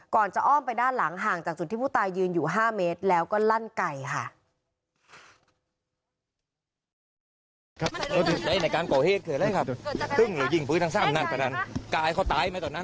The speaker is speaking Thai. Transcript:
ก่อนจะอ้อมไปด้านหลังห่างจากจุดที่ผู้ตายยืนอยู่๕เมตรแล้วก็ลั่นไก่ค่ะ